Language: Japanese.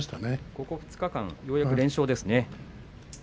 ここ２日間、ようやく連勝です。